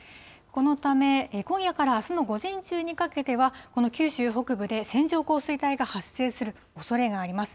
このため、今夜からあすの午前中にかけては、この九州北部で線状降水帯が発生するおそれがあります。